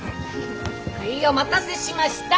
はいお待たせしました。